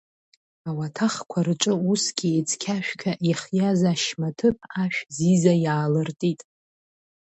Ауаҭахқәа рҿы усгьы ицқьа-шәқьа ихиаз ашьма ҭыԥ ашә Зиза иаалыртит.